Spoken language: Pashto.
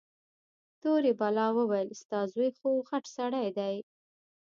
تورې بلا وويل ستا زوى خوغټ سړى دى.